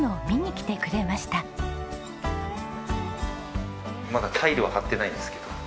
まだタイルは貼ってないんですけど。